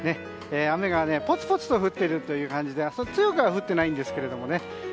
雨がぽつぽつと降っている感じで強くは降ってはいないんですけどね。